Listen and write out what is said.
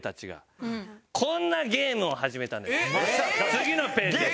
次のページです。